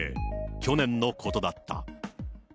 去年のことだった。